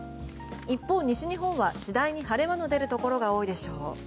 一方、西日本は次第に晴れ間が出るところが多いでしょう。